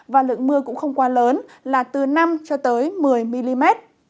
và lượng mưa cũng không quá lớn là từ năm cho tới một mươi mm